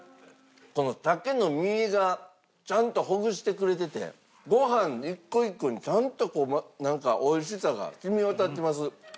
このさけの身がちゃんとほぐしてくれててご飯一個一個にちゃんとこうなんか美味しさが染み渡ってます。